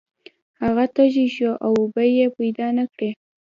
هغه تږی شو او اوبه یې پیدا نه کړې.